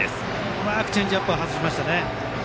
うまくチェンジアップを外しましたね。